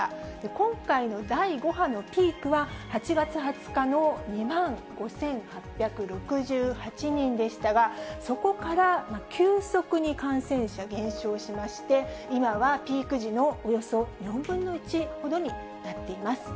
今回の第５波のピークは、８月２０日の２万５８６８人でしたが、そこから急速に感染者減少しまして、今はピーク時のおよそ４分の１ほどになっています。